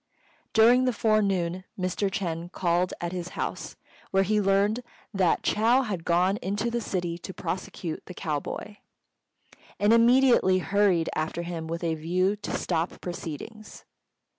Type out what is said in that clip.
During the forenoon Mr. Ch'êng called at his house, where he learnt that Chou had gone into the city to prosecute the cow boy, and immediately hurried after him with a view to stop proceedings.